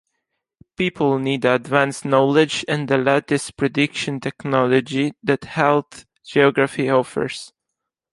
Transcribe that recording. People need advance knowledge and the latest prediction technology, that health geography offers.